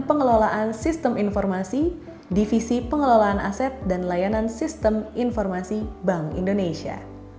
pengelolaan sistem informasi divisi pengelolaan aset dan layanan sistem informasi bank indonesia